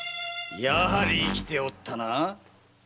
やはり生きておったな。